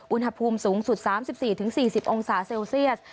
อุณหภูมิสูงสุด๓๔๔๐องศาเซลเซียส